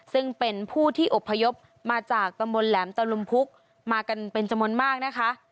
ซึ่งเป็นผู้ที่อบพยพมาจากตำบลแหลมตะลุมพุกมากันเป็นจำนวนมากนะคะ